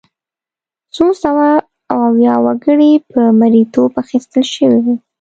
څو سوه ویا وګړي په مریتوب اخیستل شوي وو.